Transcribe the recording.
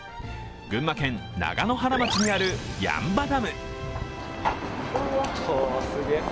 群馬県長野原町にある八ッ場ダム。